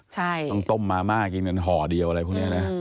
ใช่ต้องต้มมาม่ากินกันห่อเดียวอะไรพวกนี้นะ